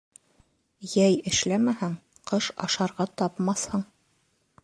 Йәй эшләмәһәң, ҡыш ашарға тапмаҫһың.